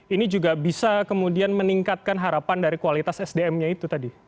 ini juga bisa kemudian meningkatkan harapan dari kualitas sdm nya itu tadi